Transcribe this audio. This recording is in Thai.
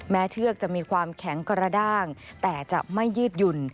เชือกจะมีความแข็งกระด้างแต่จะไม่ยืดหยุ่น